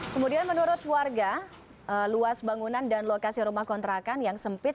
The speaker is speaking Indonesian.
kemudian menurut warga luas bangunan dan lokasi rumah kontrakan yang sempit